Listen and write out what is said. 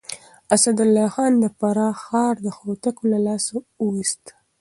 اسدالله خان د فراه ښار د هوتکو له لاسه وويست.